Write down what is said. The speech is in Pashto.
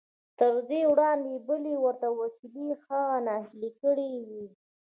تر دې وړاندې بلې ورته وسیلې هغه ناهیلی کړی و